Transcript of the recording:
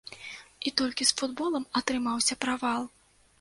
І толькі з футболам атрымаўся правал.